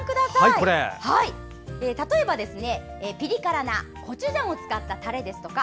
例えばピリ辛のコチュジャンを使ったタレですとか